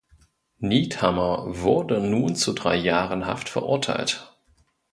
Niethammer wurde nun zu drei Jahren Haft verurteilt.